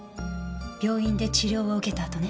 病院で治療を受けたあとね。